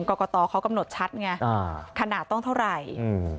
กรกตเขากำหนดชัดไงอ่าขนาดต้องเท่าไหร่อืม